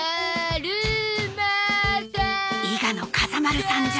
伊賀の風丸参上。